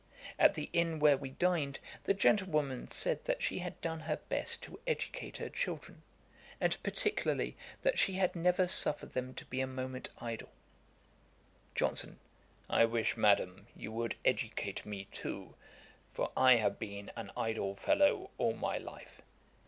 At the inn where we dined, the gentlewoman said that she had done her best to educate her children; and particularly, that she had never suffered them to be a moment idle. JOHNSON. 'I wish, madam, you would educate me too; for I have been an idle fellow all my life.'